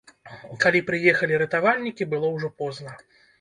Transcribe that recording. Калі прыехалі ратавальнікі, было ўжо позна.